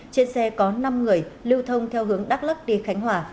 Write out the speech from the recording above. trên xe có năm người lưu thông theo hướng đắk lắc đi khánh hòa